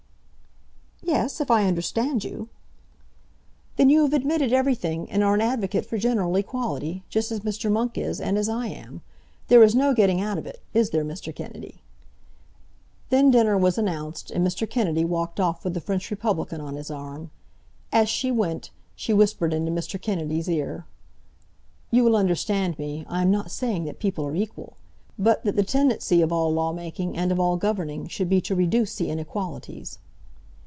"Yes; if I understand you." "Then you have admitted everything, and are an advocate for general equality, just as Mr. Monk is, and as I am. There is no getting out of it; is there, Mr. Kennedy?" Then dinner was announced, and Mr. Kennedy walked off with the French Republican on his arm. As she went, she whispered into Mr. Kennedy's ear, "You will understand me. I am not saying that people are equal; but that the tendency of all law making and of all governing should be to reduce the inequalities."